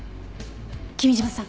君嶋さん。